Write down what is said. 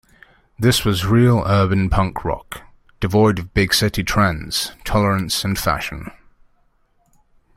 This was real urban punk rock, devoid of big city trends, tolerance and fashion.